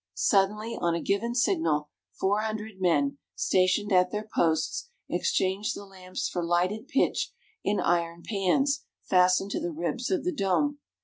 Suddenly, on a given signal, four hundred men, stationed at their posts, exchanged the lamps for lighted pitch in iron pans fastened to the ribs of the dome.